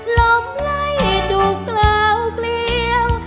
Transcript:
หลบไหลจุกเล่าเกลี้ยว